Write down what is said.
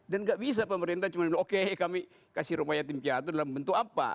dan gak bisa pemerintah cuman bilang oke kami kasih rumah yatim piatu dalam bentuk apa